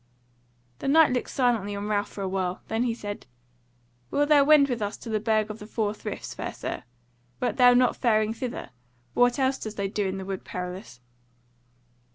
The Knight looked silently on Ralph for a while; then he said: "Wilt thou wend with us to the Burg of the Four Friths, fair Sir? Wert thou not faring thither? Or what else dost thou in the Wood Perilous?"